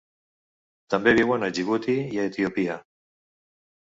També viuen a Djibouti i a Etiòpia.